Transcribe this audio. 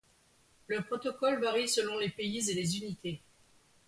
Le protocole varie selon les pays et les unités.